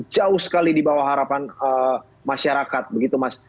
jauh sekali di bawah harapan masyarakat begitu mas